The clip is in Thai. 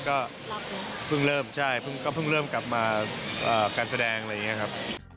ก็เพิ่งเริ่มกลับมาการแสดงอะไรอย่างนี้ครับ